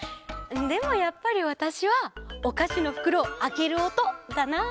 でもやっぱりわたしはおかしのふくろをあけるおとだな。